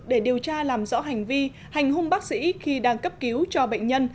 để điều tra làm rõ hành vi hành hung bác sĩ khi đang cấp cứu cho bệnh nhân